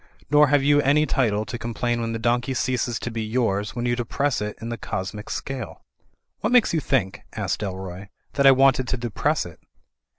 Nor have you any title to complain •when the donkey ceases to be yours when you depress it in the cosmic scale." "What makes you think," asked Dalroy, "that I wanted to depress it?"